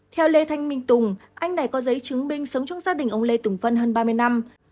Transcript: theo lê thanh minh tùng anh này có giấy chứng minh sống trong gia đình ông lê tùng vân hơn ba mươi năm